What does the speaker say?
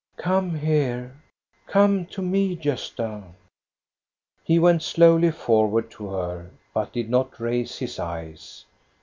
" Come here, come to me, Gosta !" He went slowly forward to her, but did not raise his eyes.